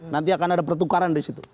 nanti akan ada pertukaran di situ